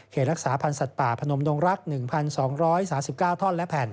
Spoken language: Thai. รักษาพันธ์สัตว์ป่าพนมดงรัก๑๒๓๙ท่อนและแผ่น